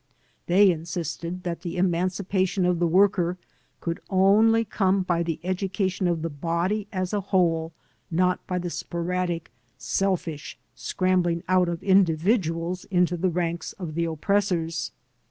They insisted that the emancipation of the worker could only come by the education of the body as a whole, not by the sporadic, selfish scrambling out of individuals into the ranks of the oppressors.